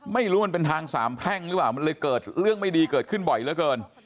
ไม่รู้มันเป็นทางสามแพร่งหรือเปล่ามันเลยเกิดเรื่องไม่ดีเกิดขึ้นบ่อยเหลือเกิน